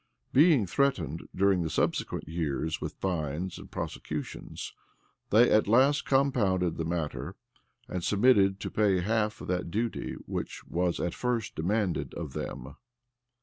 Being threatened, during the subsequent years, with fines and prosecutions, they at last compounded the matter, and submitted to pay half of that duty which was at first demanded of them.